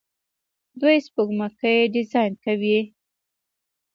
دوی سپوږمکۍ ډیزاین کوي.